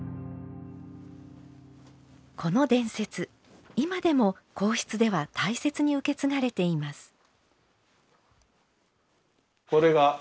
この伝説今でも皇室では大切に受け継がれています。